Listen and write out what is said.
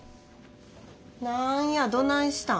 なんやどないしたん？